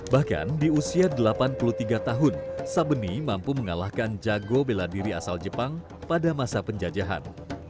bahkan di usia delapan puluh tiga tahun sabeni mampu mengalahkan jago bela diri asal jepang pada masa penjajahan